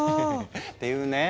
ていうね